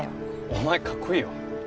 お前かっこいいよ。